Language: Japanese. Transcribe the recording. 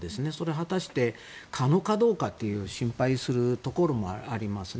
果たして可能かどうか心配するところがありますね。